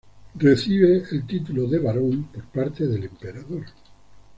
Recibe el título de barón por parte del Emperador.